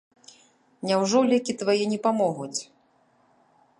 Няўжо лекі твае не памогуць?